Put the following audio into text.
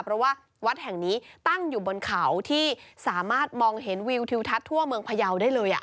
เพราะว่าวัดแห่งนี้ตั้งอยู่บนเขาที่สามารถมองเห็นวิวทิวทัศน์ทั่วเมืองพยาวได้เลย